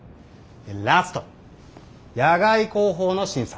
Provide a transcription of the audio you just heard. ラスト野外航法の審査。